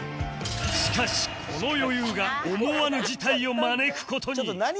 しかしこの余裕が思わぬ事態を招く事に